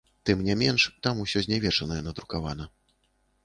Тым не менш, там усё знявечанае надрукавана.